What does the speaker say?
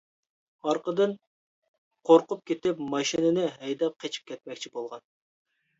ئارقىدىن قورقۇپ كېتىپ ماشىنىنى ھەيدەپ قېچىپ كەتمەكچى بولغان.